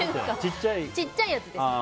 ちっちゃいやつです。